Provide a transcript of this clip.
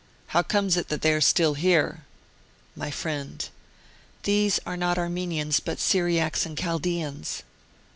How comes it that they are still here ? My Friend : These are not Armenians, but Syriacs and Chaldeans.